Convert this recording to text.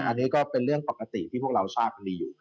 อันนี้ก็เป็นเรื่องปกติที่พวกเราทราบดีอยู่